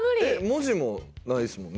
文字もないですもんね